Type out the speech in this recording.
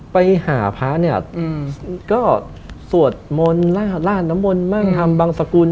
ไปหาพระสวดมนต์ลาดนมนต์บางสกุล